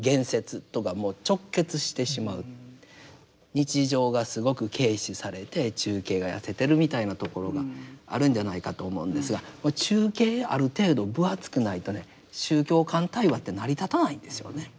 日常がすごく軽視されて中景が痩せてるみたいなところがあるんじゃないかと思うんですが中景ある程度分厚くないとね宗教間対話って成り立たないんですよね。